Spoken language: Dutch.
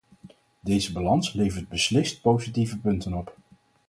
Deze balans levert beslist positieve punten op.